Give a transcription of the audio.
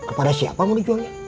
apalagi siapa mau dijualnya